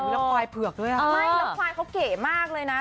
แล้วควายเขาเก๋มากเลยนะ